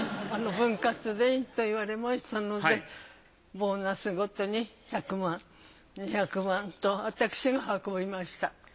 分割でいいと言われましたのでボーナスごとに１００万２００万と私が運びました。